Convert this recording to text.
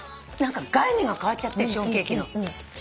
概念が変わっちゃってシフォンケーキの。